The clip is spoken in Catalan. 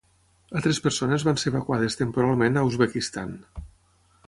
Altres persones van ser evacuades temporalment a Uzbekistan.